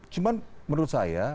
cuma menurut saya